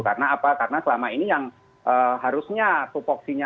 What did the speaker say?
karena apa karena selama ini yang harusnya supoxinya